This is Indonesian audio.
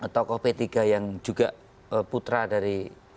tokoh p tiga yang juga putra dari